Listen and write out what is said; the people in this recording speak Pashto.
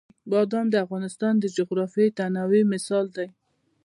بادام د افغانستان د جغرافیوي تنوع مثال دی.